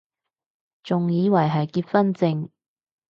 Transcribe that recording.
仲以為係結婚証